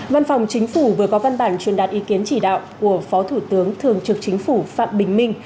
văn phòng chính phủ vừa có văn bản truyền đạt ý kiến chỉ đạo của phó thủ tướng thường trực chính phủ phạm bình minh